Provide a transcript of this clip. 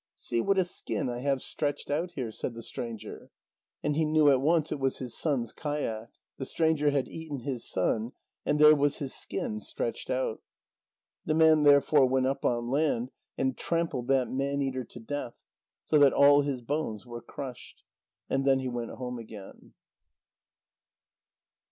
"See what a skin I have stretched out here," said the stranger. And he knew at once it was his son's kayak. The stranger had eaten his son, and there was his skin stretched out. The man therefore went up on land and trampled that man eater to death, so that all his bones were crushed. And then he went home again.